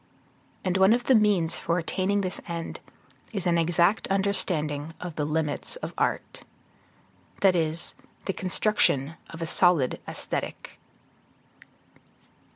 And one of the means for attaining this end is an exact understanding of the limits of art, that is, the construction of a solid Aesthetic.